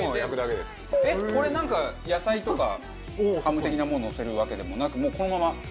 これなんか野菜とかハム的なものをのせるわけでもなくもうこのまま？